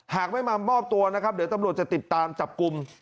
หากไม่มามอบตัวนะครับเดี๋ยวตำรวจจะติดตามจับกลุ่ม